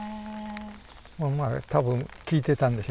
まあ多分聞いてたんでしょう。